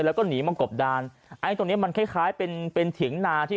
แล้วก็หนีมากบดานไอ้ตรงเนี้ยมันคล้ายคล้ายเป็นเป็นเถียงนาที่